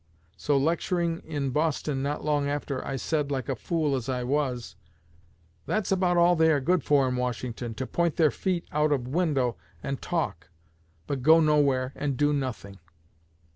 '_ So, lecturing in Boston not long after, I said, like a fool as I was, 'That's about all they are good for in Washington, to point their feet out o' window and talk, but go nowhere and do nothing.'